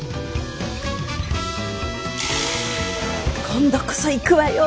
今度こそ行くわよ